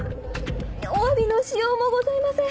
おわびのしようもございません。